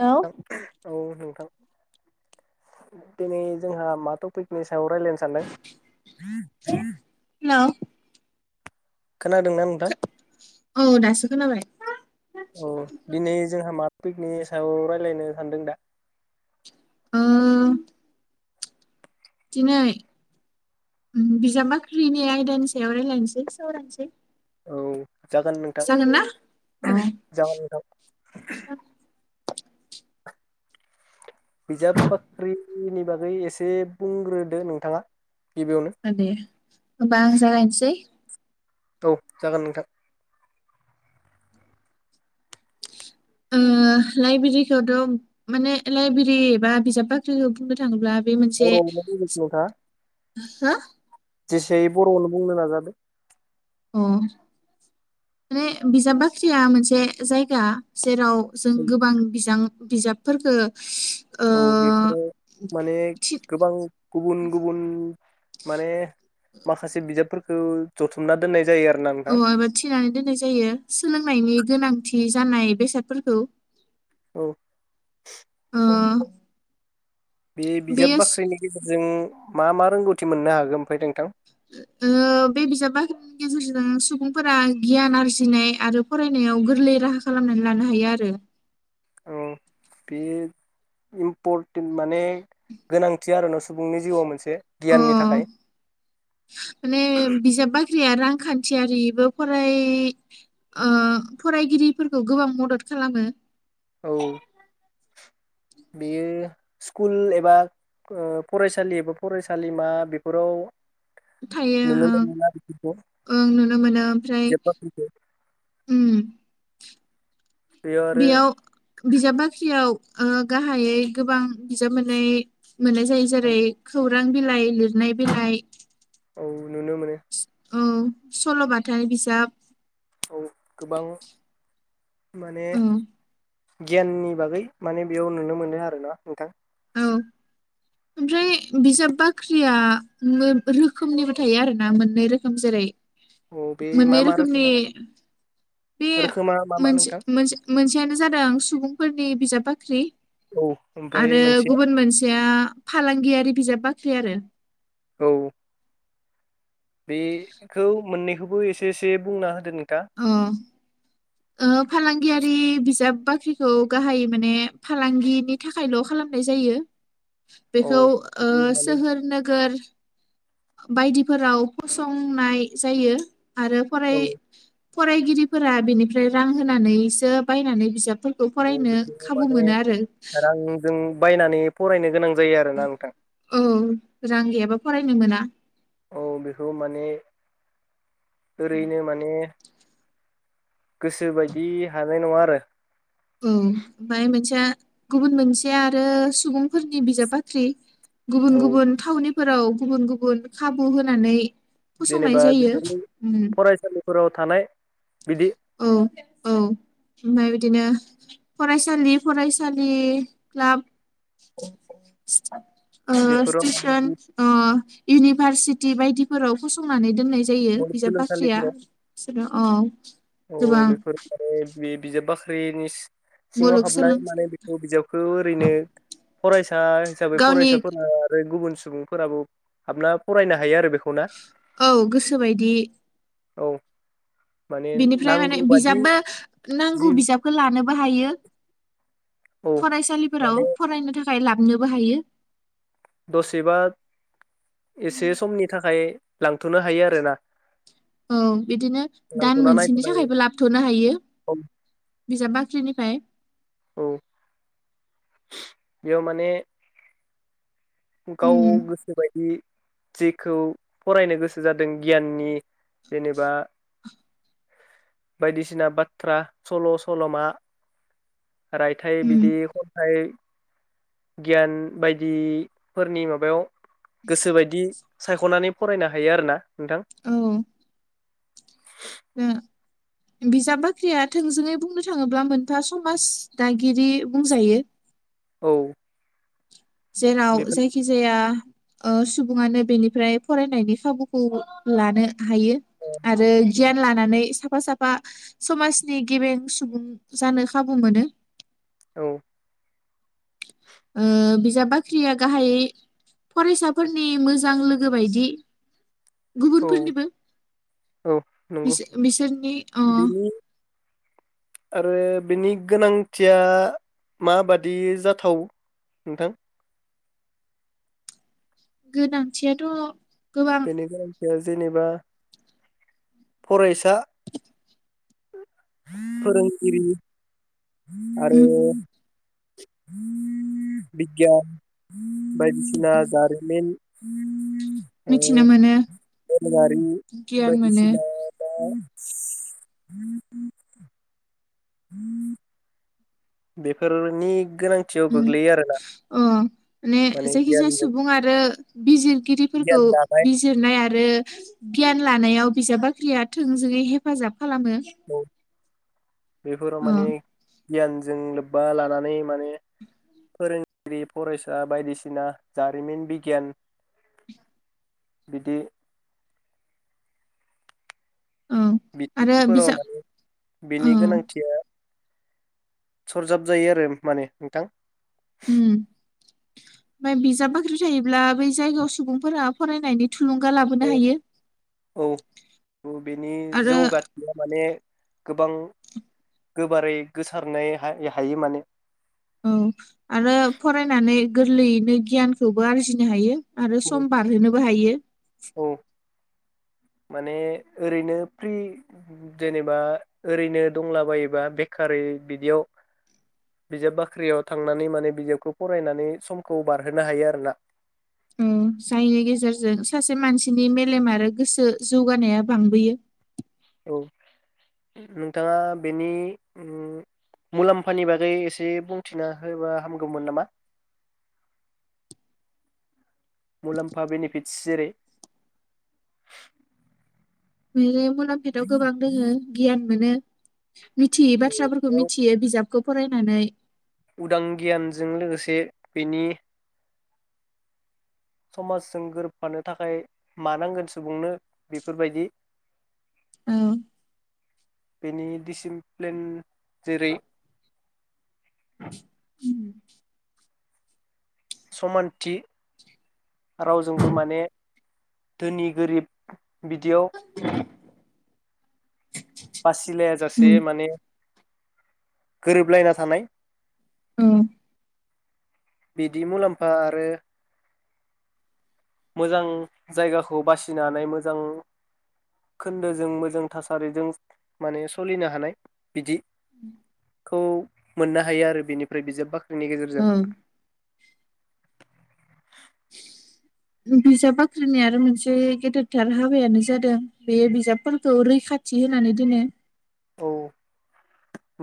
Hello ल औ औ थां दिनै जोंहा मा टपिकनि सा याव रायलायनो सानदों? हेलौ खोनादोंना नोंथां औ दासो खोनाबाय औ दिनै जोंहा मा टपिकनि सायाव रायज्लायनो सानदों दा? अ दिनै बिजाब बाख्रिनि आयदानि सायाव रायलायनोसै सावरायनोसै औ जागोन नोंथां जागोन ना जागोन नोंथां बिजाब बाख्रिनि बागै एसे बुंग्रोदो नोंथाङा? गिबियावनो दे होमबा आं जागायनोसै औ जागोन नोंथां ओ लाइब्रेरिखौथ' माने लाइब्रेरि एबा बिजाब बाख्रिखौ बुंनो थाङोब्ला बे मोनसे बर'आवनो बुंदो नोंथाङा हो जेसे हायो बर'आवनो बुंनो नाजादो अ माने बिजाब बाख्रिया मोनसे जायगा जेराव जों गोबां बिजां बिजाबफोरखो ओ औ बेफोराव माने थि गोबां गुबुन गुबुन माने माखासे बिजाबफोरख खौ जथुमना दोननाय जायो आ औ एबा थिनानै दोननाय जायो सोलोंनायनि गोनांथि जानाय बेसाद फोरखौ [inaudible] ओ बे बिजाब बाख्रिनि गेजेरजों मा मा रोंगौथि मोननो हागोन ओमफ्राय नोंथां? ओ बे बिजाब बाख्रिनि गेजेरजों सुबुंफोरा गियान आरजिनाय आरो फरायनायाव गोरलै राहा खालामनानै लानो हायो आरो औ बे इम्परटेन्ट माने गोनांथि आरो न‍' सुबुंनि जिउआव मोनस अ माने बिजाब बाख्रिया रांखान्थियारि बो फराय ओ फरायगिरिफोरखौ गोबां मदद खालामो। औ बेयो स्कुल एबा ओ फरायसालि एबा फरायसालिमा बेफोराव थायो नुनो ओं। मोनोना बेफोरखौ ओं नुनो मोनो ओमफ्राय बिजाब बाख्रिखौ उम बेयाव बिजाब बाख्रियाव ओ गाहाइयै गोबां बिजाब मोननाय मोननाय जायो। जेरै खौर खौरां बिलाइ, लिरनाय बिलाइ औ। नुनो मोनो। औ सल'बाथा बिजाब औ गोबां। माने औ गियाननि बागै माने बेयाव नुनो मोनो आरो ना नोंथां। औ ओमफ्राय बिजाब बाख्रिया मो-रोखोमनिबो थायो आरोना मोननै रोखोम। जेरै औ बे मा मोननै मा रोखोमनि रोखोमा बे रोखोमा मा मा मोनसे नोंथां मोनसे मोनसेयानो जादों सुबुं फोरनि बिजाब बाख्रि औ ओमफ्राय आरो मोनसे गुबुन मोनसेया फालांगियारि बिजाब बाख्रि आरो। औ। बेखौ मोननैखौबो एसे एसे बुंना होदो नों। उम ओ फालांगियारि बिजाब बाख्रिखौ गाहाय माने फालांगिनि थाखायल' खालामनाय जायो। औ बेखौ ओ बे माने सोहोर नोगोर बायदिफोराव फसंनाय जायो। आरो फराय औ फरायगिरिफोरा बेनिफ्राय रां होनानैसो बायनानै बिजाब बेखौ माने रांजों बायनानै फरायनो गोनां जायो आरोना नोंथां औ रां गैयाबा फरायनो मोना। औ बिखौबो माने ओरैनो माने गोसो बायदि हानाय नङा आरो। औ ओमफ्राय मोनसेया गुबुन मोनसेया आरो सुबुंफोरनि बिजाब बाख्रि। गुबुन औ गुबुन थावनिफ फोराव गुबुन गुबुन खाबु होनानै फसंनाय जेनेबा जायो बिफोरनि उम फरायसालिफोराव थानाय बिदि औ ओमफ्राय बिदिनो फरायसालि फरायसालि क्लाब आ बेफोराव स्टेसन ओ इउनिभारसिटि बायदिफोराव फसंनानै दोननाय जायो बिजाब बाख्रिया मुलुगसोलोंसालिफोराव बिसोर अ अ बेफोर माने बे बिजाब बाख्रिनि सिङाव हाबनाय मुलुगसोलों माने बेखौ बिजाबखौ ओरैनो फरायसा सा हिसाबै गावनि फरायसाफोरा आरो गुबुन सुबुंफोराबो हाबना फरायनो हायो आरो बेखौ ना औ गोसोबायदि औ माने फ्राय नांगौ माने बादि बिजाबबो नांगौ जि बिजाबखौ लाना बाहायो औ फरायसालिफोराव माने फरायनो थाखाय फाय लाबनोबो हायो दसेबा एसे समनि थाखाय लांथ'नो हायो आरोना औ बिदिनो दान लांथ'ना मोनसेनि नायथ'नो हायो थाखायबो लाबथ'नो हायो औ बिजाब बाख्रिनिफ्राय औ बेयाव माने गाव उम गोसोबायदि जेखौ फरायनो गोसो जादों गियाननि जेनेबा बायदिसिना बाथ्रा सल' सल'मा रायथाइ बिदि फाय गियान बायदिफोरनि माबायाव गोसोबायदि सायख'नानै फरायनो हायो आरोना नोंथां उम बिजाब बाख्रिया थोंजोङै बुंनो थाङोब्ला मोनफा समाज दागिरि बुंजायो। औ जेराव बेफोर जायखि जाया ओ सुबुङानो बेनिफ्राय फरायनायनि खाबुखौ लानो हायो आरो गियान लानानै सा साफा साफा समाजनि गेबें सुबुं जानो खाबु मोनो। औ ओ बिजाब बाख्रिया गाहायै फरायसाफोरनि मोजां लोगो बायदि औ गुबुनफोरनिबो औ नंगौ बिसोर बिसोरनि अ बिनि आरो बिनि गोनांथिया माबादि जाथाव नोंथां गोनांथियाथ गोबां बेनिफ्राय बे जेनेबा फरायसा फोरोंगिरि आरो उम [unintelligible] बिगियान बायदिसिना उम जारिमिन [inaudible] मिथिनो मोनो बारि गियान बायदि मोनो सिना बा [inaudible] [inaudible] बेफोरनि गोनांथियाव गोग्लैयो आरोना ने माने जायखिजाया गियानजों सुबुं आरो बिजिरगिरिफोरखौ गियान दानाय बिजिरनाय आरो गिया लानायाव बिजाब बाख्रिया थोंजोङै हेफाजाब खालामो औ बेफोराव अ माने गियानजों लोब्बा लानानै माने फोरोंगिरि फरायसा बायदिसिना जारिमिन बिगियान बिदि औ आरो [unintelligible] बिजाब माने औ बिनि गोनांथिया सरजाब जायो आरो माने नोंथां उम ओमफ्राय बिजाब बाख्रि थायोब्ला बै जायगायाव सुबुंफोरा फरायनायनि थुलुंगा लाबोनो औ हायो औ बेनि आरो जौगाथिया माने गोबां गोबारै गोसारनाय हा हायो माने औ आरो फरायनानै गोरलैयैनो गियानखौबो आरजिनो हायो आरो सम बारहोनोबो हायो औ माने ओरैनो फ्रि जेनेबा ओरैनो दंलाबायोबा बेखारै बिदियाव बिजाब बाख्रियाव थांनानै माने बिजाबखौ फरायनानै समखौ बारहोनो हायो आरोना उम जायनि गेजेरजों सासे मानसिनि मेलेम आरो गोसो जौगानाया बांबोयो नोंथाङा बेनि ओम मुलाम्फानि बागै एसे बुंथिना होबा हामगौमोन नामा? मुलाम्फा बेनिफिटस जेरै [unintelligible] काम्पिटआव गोबां दोङो गियान मोनो। मिथियै बाथ्राफोरखौ बेयाव मिथियो बिजाब खौ फरायनानै उदां गियानजों लोगोसे बिनि समाजजों गोरोबफानो थाखाय मानांगोन सुबुंनो बेफोरबायदि औ बेनि डिसिनप्लेन जेरै उम समानथि रावजोंबो माने धोनि गोरिब बिदियाव बासि सिलाय जासे उम माने गोरोबलायना थानाय औ बिदि मुलाम्फा आरो मोजां जायगाखौ बासिनो हानाय मोजां खोन्दोजों मोजां थासारिजों माने सोलिनो हानाय बिदि उम खौ मोननो हायो आरो बिनिफ्राय बिजाब बा नि औ गेजेरजों बिजाब बाख्रिनि आरो मोनसे गेदेरथार हाबायानो जादों बे बिजाबफोरखौ रैखाथि होनानै दोनो औ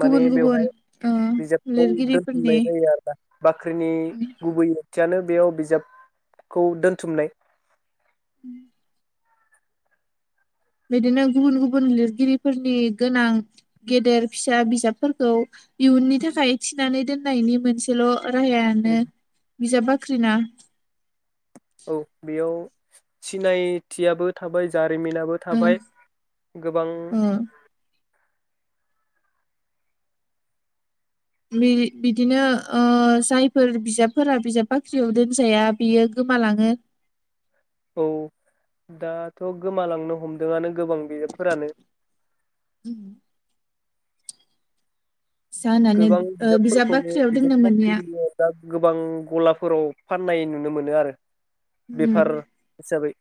माने गुबुन गुबुन बेवहाय ओ बिजाबखौ लिरगिरिफोरनि दोनथुमनाय जायो आरोना बाख्रिनि गुबै ओंथियानो बेयाव बिजाबखौ दोनथुमनाय उम बिदिनो गुबुन गुबुन लिरगिरिफोरनि गोनां गेदेर फिसा बिजाबफोरखौ इयुननि थाखाय थिनानै दोननायनि मोनसेल' राहायानो बिजाब बाख ख्रिना औ बेयाव सिनायथियाबो थाबाय जा रिमिनाबो ओ थाबाय गोबां ओ बि-बिदिनो ओ जायफोर बिजाबफोरा बिजाब बाख्रियाव दोनजाया बियो गोमालाङो औ दाथ' गोमालांनो हमदोंआनो गोबां बिजाबफोरानो ओम जाहोनानो गोबां बि ओ बिजाब बिजाबफोरखौनो बाख्रियाव बिजाब दोननो मोनिया बाख्रिनि अनगा गोबां गलाफोराव फाननाय नुनो मोनो आरो उम बेफार हिसाबै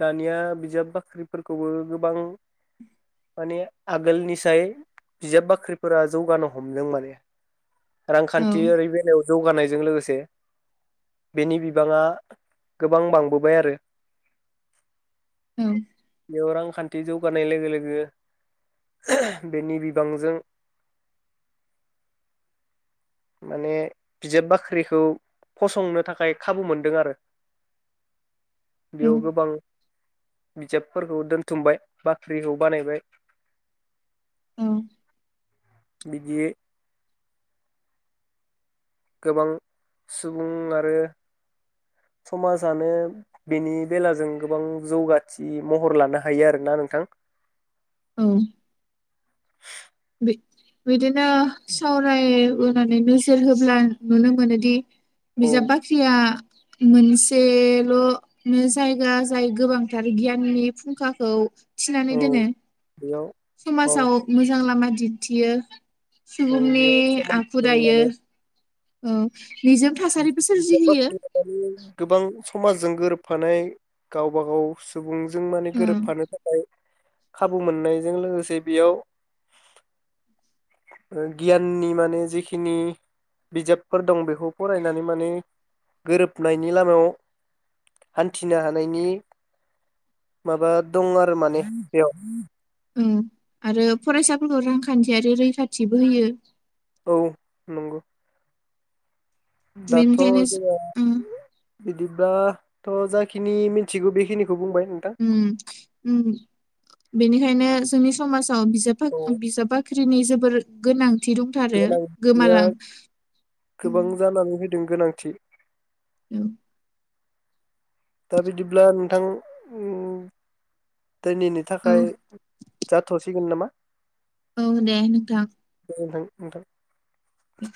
दानिया बिजाब बाख्रिफोरखौबो गोबां माने आगोलनिसाय बिजाब बाख्रिफोरा जौगानो हमदों माने औ रांखान्थि ओरै बेलायाव जौगानायजों लोगोसे बेनि बिबाङा गोबां बांबोबाय आरो औ। बेयाव रांखान्थि जौगानाय लोगो लोगो बेनि बिबांजों माने बिजाब बाख्रिखौ फसंनो थाखाय खाबु मोनदों आरो। औ बियाव गोबां बिजाबफोरखौ दोनथुमबाय बाख्रिखौ बानायबाय। औ। बिदि गोबां सुबुं आरो समाजानो बेनि बेलाजों गोबां जौगाथि महर लानो हायो आरोना नोंथां? औ। बि बिदिनो सावरायबोनानै नोजोर होब्ला नुनो मोनोदि औ बिजाब बाख्रिया मोनसेल'नो जायगा जाय गोबांथार गियाननि फुंखाखौ थिनानै औ दोनो बेयाव औ समाजाव मोजां लामा दिन्थियो। औ सुबुंनि बेयाव आखु समाजजों दायो। माने औ। निजोम थासारिबो सोरजिहोयो [unintelligible] गोबां समाजजों गोरोबफानाय गावबा गाव सुबुं जों माने ओ गोरोबफानो थाखाय खाबु मोननायजों लोगोसे बेयाव ओ गियाननि माने जिखिनि बिजाबफोर दं बेखौ फरायनानै माने गोरोबनायनि लामायाव हान्थिनो हानायनि माबा दं आरो माने बेयाव। ओं आरो फरायसाफोरखौ रांखान्थियारि रैखाथिबो होयो। औ नंगौ। दाथ' बेनिखायनो जोंहा उम बिदिब्लाथ' जाखिनि मिथिगौ बेखिनिखौ बुंबाय नोंथां। ओम ओम बेनिखायनो जोंनि समाज अ बिजाब औ बाख बिजाब बाख ख्रिनि जोबोर गोनां थि दंथारो गोनांथिया गोमालां उम। दों गोनांथि। उम। दा बिदिब्ला नोंथां उम दोनैनि औ थाखाय जाथ'सिगोन नामा? औ देे नोंथां। ओनथां नोंथां। उ।